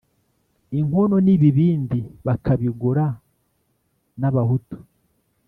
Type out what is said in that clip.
inkono n’ibibindi, bakabigura n’abahutu.